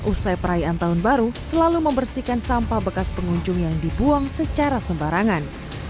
usai perayaan tahun baru selalu membersihkan sampah bekas pengunjung yang dibuang secara sembarangan